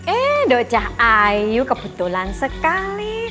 eh doca ayu kebetulan sekali